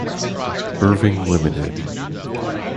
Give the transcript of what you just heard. Irving Ltd.